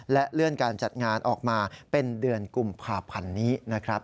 และเลื่อนการจัดงานออกมาเป็นเดือนกุมภาพันธ์นี้นะครับ